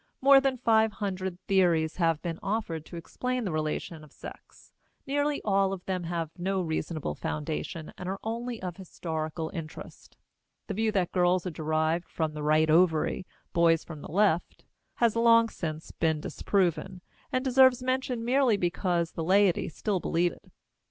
More than five hundred theories have been offered to explain the relation of sex; nearly all of them have no reasonable foundation and are only of historical interest. The view that girls are derived from the right ovary, boys from the left, has long since been disproven, and deserves mention merely because the laity still believe it.